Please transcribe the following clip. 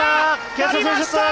やりました！